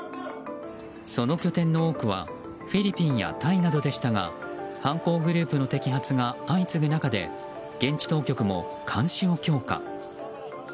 その拠点の多くはフィリピンやタイなどでしたが犯行グループの摘発が相次ぐ中で現地当局も監視を強化。